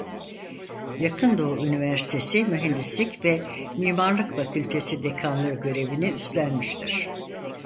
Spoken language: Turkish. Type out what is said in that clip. Yakın Doğu Üniversitesi Mühendislik ve Mimarlık Fakültesi Dekanlığı görevini üstlenmiştir.